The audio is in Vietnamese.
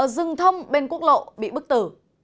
dừng thông bên quốc lộ bị bức tử